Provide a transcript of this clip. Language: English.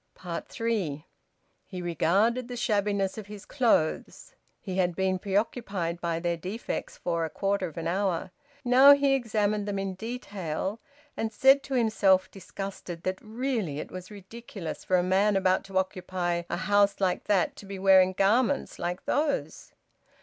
THREE. He regarded the shabbiness of his clothes; he had been preoccupied by their defects for about a quarter of an hour; now he examined them in detail, and said to himself disgusted, that really it was ridiculous for a man about to occupy a house like that to be wearing garments like those.